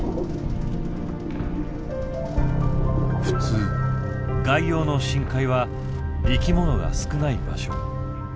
普通外洋の深海は生きものが少ない場所。